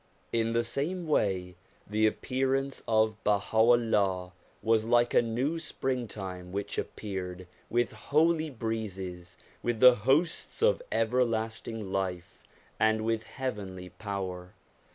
In the same way, the appearance of Baha'ullah was like a new springtime which appeared with holy breezes, with the hosts of everlasting life, and with heavenly power.